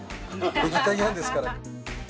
ベジタリアンですから。